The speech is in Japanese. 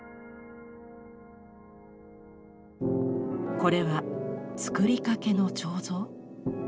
これは作りかけの彫像？